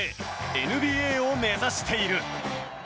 ＮＢＡを目指している。